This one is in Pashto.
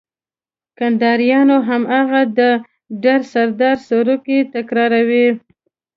کنداريان هماغه د ډر سردار سروکی تکراروي.